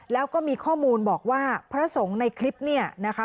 แล้วก็มีข้อมูลบอกว่าพระสงฆ์ในคลิปเนี่ยนะคะ